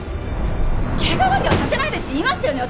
怪我だけはさせないでって言いましたよね？